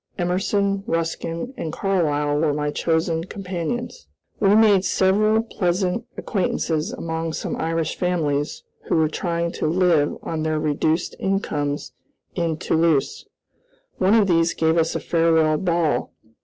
Emerson, Ruskin, and Carlyle were my chosen companions. We made several pleasant acquaintances among some Irish families who were trying to live on their reduced incomes in Toulouse. One of these gave us a farewell ball.